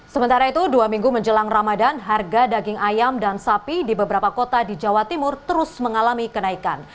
sementara itu dua minggu menjelang ramadan harga daging ayam dan sapi di beberapa kota di jawa timur terus mengalami kenaikan